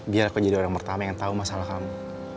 biar aku jadi orang pertama yang tahu masalah kamu